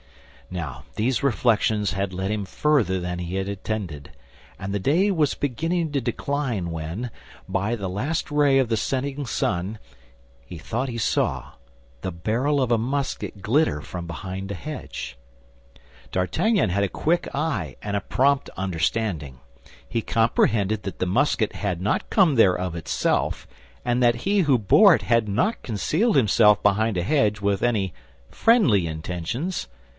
Now, these reflections had led him further than he intended, and the day was beginning to decline when, by the last ray of the setting sun, he thought he saw the barrel of a musket glitter from behind a hedge. D'Artagnan had a quick eye and a prompt understanding. He comprehended that the musket had not come there of itself, and that he who bore it had not concealed himself behind a hedge with any friendly intentions.